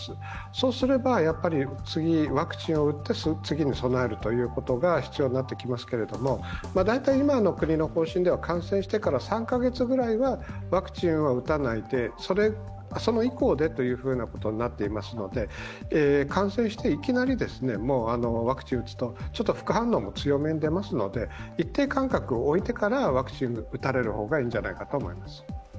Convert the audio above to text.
そうすれば、やはり次、ワクチンを打って次に備えることも必要になってきますが大体、今の国の方針では感染してから３か月ぐらいはワクチンは打たないで、それ以降でということになっていますので感染して、いきなりワクチンを打つと、副反応も強めに出ますので一定間隔を置いてからワクチンを打たれる方がいいんじゃないかと思います。